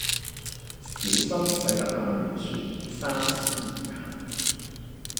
小心駛得萬年船三思而行